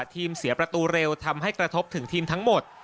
เสียประตูเร็วทำให้กระทบถึงทีมทั้งหมด